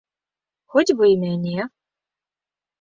Хоць бы і мяне.